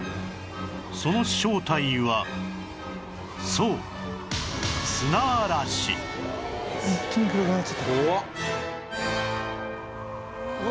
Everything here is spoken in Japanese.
その正体はそう砂嵐うわうわ。